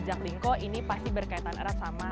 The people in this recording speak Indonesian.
jaklingko ini pasti berkaitan erat sama